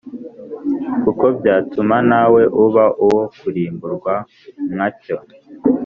kuko byatuma nawe uba uwo kurimburwa nka cyo.